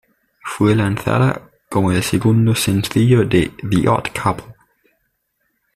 Fue lanzada como el segundo sencillo de "The Odd Couple".